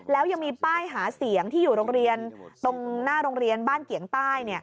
แล้วยังมีป้ายหาเสียงที่อยู่โรงเรียนตรงหน้าโรงเรียนบ้านเกียงใต้